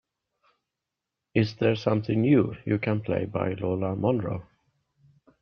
is there something new you can play by Lola Monroe